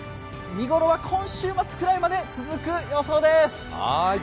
見頃は今週末くらいまで続く予想です。